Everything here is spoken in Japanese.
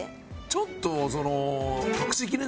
「ちょっとその」